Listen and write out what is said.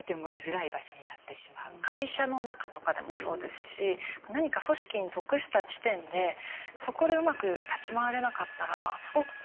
会社の中とかでもそうですし何か組織に属した時点でそこでうまく立ち回れなかったらすごく追い込まれて。